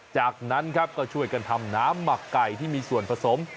จากนั้นครับก็ช่วยกันทำน้ำหมักไก่ที่มีส่วนผสม